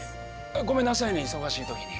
ごめんなさいね忙しいときに。